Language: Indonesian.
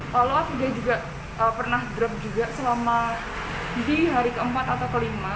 kalau afida juga pernah drop juga selama di hari keempat atau kelima